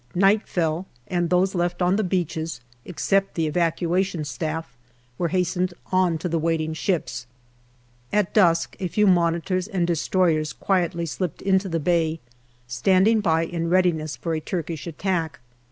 Night fell, and those left on the beaches, except the Evacuation Staff, were hastened on to the waiting ships. At dusk a few Monitors and destroyers quietly slipped into the Bay, standing by in readiness for a Turkish attack.